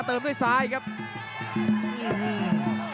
เสริมหักทิ้งลงไปครับรอบเย็นมากครับ